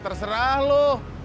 ya terserah lo